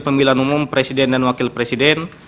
pemilihan umum presiden dan wakil presiden